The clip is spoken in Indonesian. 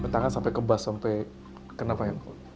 tangan sampai kebas sampai kenapa ya